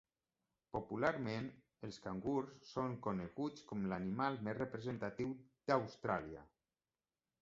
Popularment, els cangurs són coneguts com l'animal més representatiu d'Austràlia.